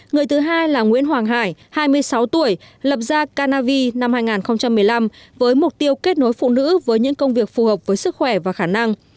người thứ hai là nguyễn hoàng hải hai mươi sáu tuổi lập ra canavi năm hai nghìn một mươi năm với mục tiêu kết nối phụ nữ với những công việc phù hợp với sức khỏe và khả năng